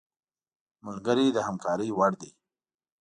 ملګری د همکارۍ وړ دی